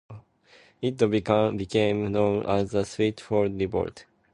It became known as the "Swinford Revolt".